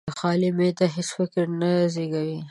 خالي معده هېڅ فکر نه زېږوي.